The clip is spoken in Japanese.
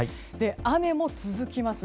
雨も続きます。